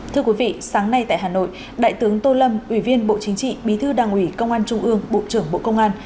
thưa quý vị sáng nay tại hà nội đại tướng tô lâm ủy viên bộ chính trị bí thư đảng ủy công an trung ương bộ trưởng bộ công an